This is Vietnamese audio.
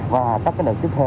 và tất cả đợt tiếp theo